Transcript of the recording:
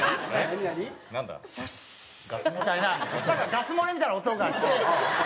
「サム」みたいななんかガス漏れみたいな音がして。